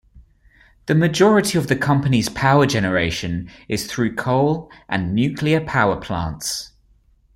The majority of the company's power generation is through coal and nuclear power plants.